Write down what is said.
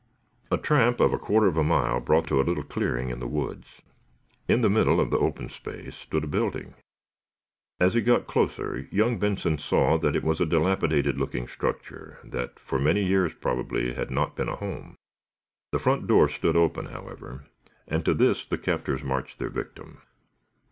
A tramp of a quarter of a mile brought them to a little clearing in the woods. In the middle of the open space stood a building. As he got closer young Benson saw that it was a dilapidated looking structure that for many years, probably, had not been a home. The front door stood open, however, and to this the captors marched their victim.